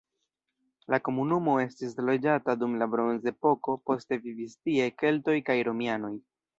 La komunumo estis loĝata dum la bronzepoko, poste vivis tie keltoj kaj romianoj.